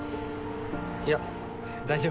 いや大丈夫です。